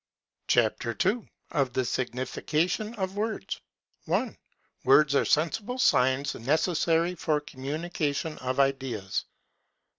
CHAPTER II. OF THE SIGNIFICATION OF WORDS. 1. Words are sensible Signs, necessary for Communication of Ideas.